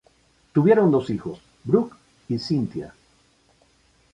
Tuvieron dos hijos, Brooks y Cynthia.